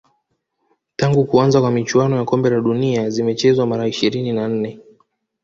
tangu kuanza kwa michuano ya kombe la dunia zimechezwa mara ishiri na nne